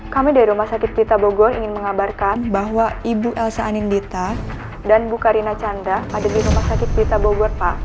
kami dari rumah sakit pita bogor ingin mengabarkan bahwa ibu elsa anindita dan bukarina chandra ada di rumah sakit pita bogor pak